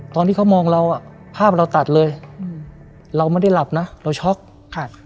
ตอนที่เขามองเราอ่ะภาพเราตัดเลยอืมเราไม่ได้หลับนะเราช็อกครับ